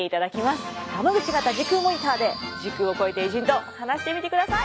ガマグチ型時空モニターで時空を超えて偉人と話してみてください。